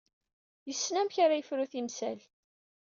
Yessen amek ara yefru timsal.